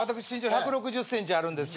１６０ｃｍもあるんですね。